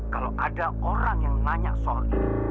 kalau ada orang yang nanya soal itu